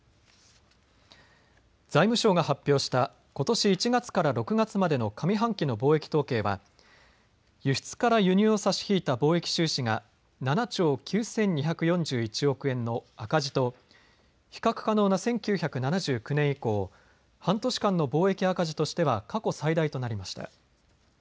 財務省が発表したことし１月から６月までの上半期の貿易統計は輸出から輸入を差し引いた貿易収支が７兆９２４１億円の赤字と比較可能な１９７９年以降、半年間の貿易赤字としては過去最大となりました。